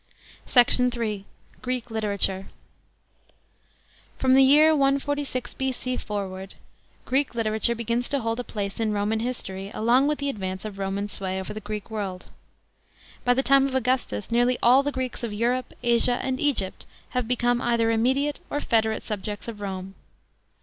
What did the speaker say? SECT. III. — GREEK LITERATURE. § 9. Prom the year 146 B.O. forward, Greek literature begins to hold a place in Roman history along with the advance of Roman sway over the Greek world. By the time of Augustus nearly all the Greeks of Europe, Asia, and Egypt have become either im mediate or federate subjects of Rome.